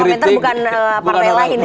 komentar bukan partai lain ya